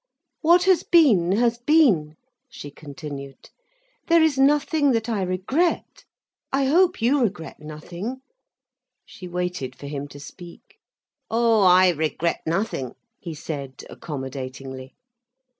"What has been, has been," she continued. "There is nothing that I regret. I hope you regret nothing—" She waited for him to speak. "Oh, I regret nothing," he said, accommodatingly.